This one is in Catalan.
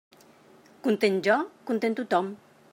Content jo, content tothom.